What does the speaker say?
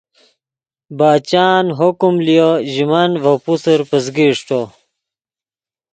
باچان حکم لیو ژے من ڤے پوسر پزگے اݰٹو